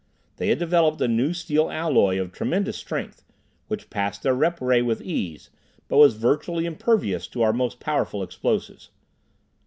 They had developed a new steel alloy of tremendous strength, which passed their rep ray with ease, but was virtually impervious to our most powerful explosives.